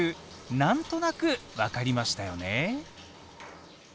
なんとなくわかりましたよね。